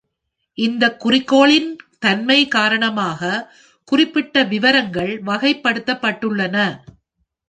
இந்தக் குறிக்கோளின் தன்மை காரணமாக, குறிப்பிட்ட விவரங்கள் வகைப்படுத்தப்பட்டுள்ளன.